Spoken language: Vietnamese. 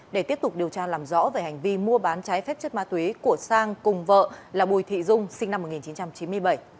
để tiếp tục điều tra làm rõ về hành vi mua bán trái phép chất ma túy của sang cùng vợ là bùi thị dung sinh năm một nghìn chín trăm chín mươi bảy